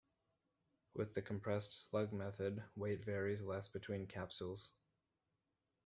With the compressed slug method, weight varies less between capsules.